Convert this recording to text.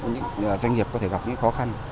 những doanh nghiệp có thể gặp những khó khăn